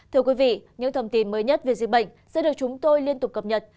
thưa quý vị những thông tin mới nhất về dịch bệnh sẽ được chúng tôi liên tục cập nhật